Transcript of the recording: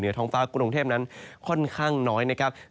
ท้องฟ้ากรุงเทพนั้นค่อนข้างน้อยนะครับ